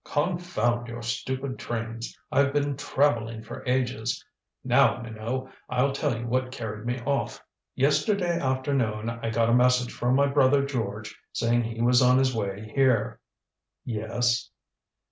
"Confound your stupid trains. I've been traveling for ages. Now, Minot, I'll tell you what carried me off. Yesterday afternoon I got a message from my brother George saying he was on his way here." "Yes?"